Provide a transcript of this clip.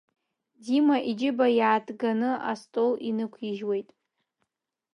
Дима иџьыба иааҭганы астол инықәижьуеит.